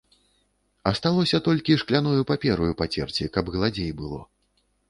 Асталося толькі шкляною папераю пацерці, каб гладзей было.